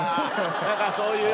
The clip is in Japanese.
何かそういう。